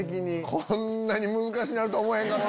こんなに難しなるとは思えへんかった！